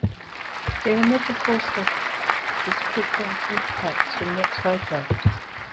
They were never forced off despite constant attacks for the next five months.